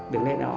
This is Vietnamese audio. đường nét đó